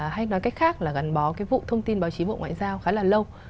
hay nói cách khác là gắn bó cái vụ thông tin báo chí bộ ngoại giao khá là lâu